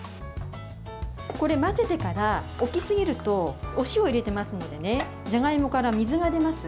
これ混ぜてから置きすぎるとお塩を入れてますのでじゃがいもから水が出ます。